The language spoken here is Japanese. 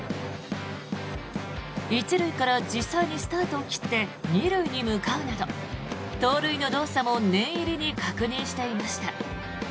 １塁から実際にスタートを切って２塁に向かうなど盗塁の動作も念入りに確認していました。